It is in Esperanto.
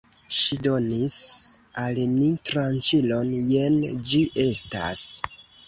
Ŝi donis al ni tranĉilon, jen ĝi estas!